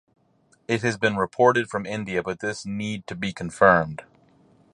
It has been reported from India but this need to be confirmed.